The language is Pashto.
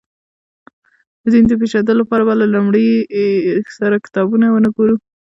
د دین د پېژندلو لپاره به له لومړي سره کتابونه ونه ګورو.